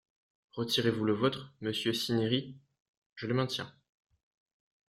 Retirez-vous le vôtre, monsieur Cinieri ? Je le maintiens.